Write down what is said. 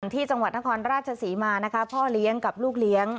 ที่จังหวัดนครราชศรีมานะคะพ่อเลี้ยงกับลูกเลี้ยง